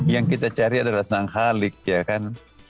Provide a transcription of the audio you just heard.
yang kita cari adalah sang halik ya kan